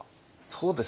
そうですね。